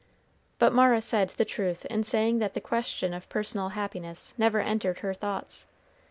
But Mara said the truth in saying that the question of personal happiness never entered her thoughts.